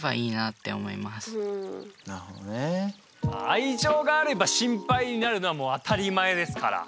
愛情があれば心配になるのはもう当たり前ですから。